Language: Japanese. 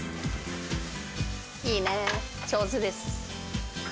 いいね、上手です。